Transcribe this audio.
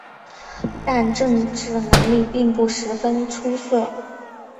但政治能力并不十分出色。